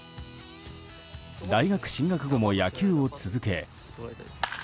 大学進学後も野球を続け。